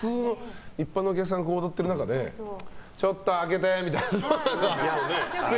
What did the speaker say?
一般のお客さんが踊ってる中でちょっと空けてみたいな。